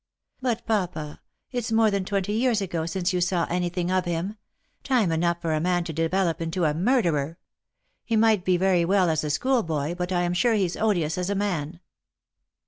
" But, papa, it's more than twenty years ago since you saw anything of him; time enough for a man to develop into a murderer. He might be very well as a schoolboy, but I am sure he's odious as a man.""